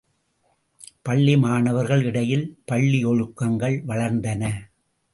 பள்ளி மாணவர்கள் இடையிலே பள்ளி ஒழுக்கங்கள் வளர்ந்தன.